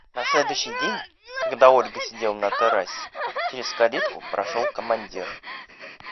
На следующий день, когда Ольга сидела на террасе, через калитку прошел командир.